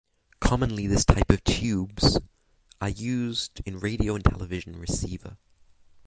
Commonly this type of tubes are used in radio and television receiver.